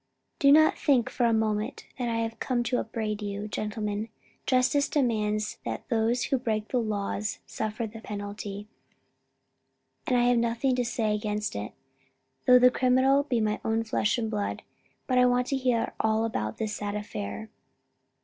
"Do not think for a moment that I have come to upbraid you, gentlemen. Justice demands that those who break the laws suffer the penalty, and I have nothing to say against it; though the criminal be my own flesh and blood. But I want to hear all about this sad affair."